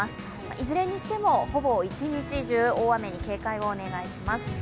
いずれにしてもほぼ一日中、大雨に警戒をお願いします。